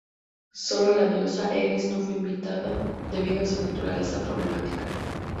Sólo la diosa Eris no fue invitada debido a su naturaleza problemática.